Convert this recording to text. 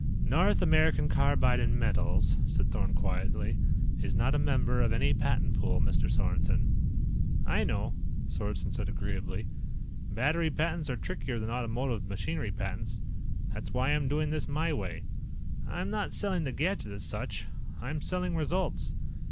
"North American Carbide & Metals," said Thorn quietly, "is not a member of any patent pool, Mr. Sorensen." "I know," Sorensen said agreeably. "Battery patents are trickier than automotive machinery patents. That's why I'm doing this my way. I'm not selling the gadget as such. I'm selling results.